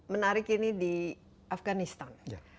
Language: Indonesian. menarik ini di afganistan